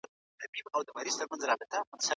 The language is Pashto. جنت د خدای د رضا ځای دی.